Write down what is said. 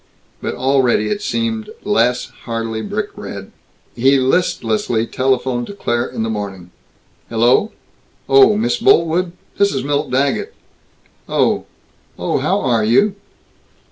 But already it seemed less heartily brick red. He listlessly telephoned to Claire, in the morning. "Hello? Oh! Miss Boltwood? This is Milt Daggett." "Oh! Oh, how are you?"